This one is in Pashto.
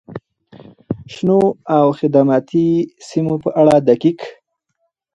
شنو او خدماتي سیمو په اړه دقیق،